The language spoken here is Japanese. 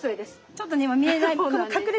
ちょっとね今見えない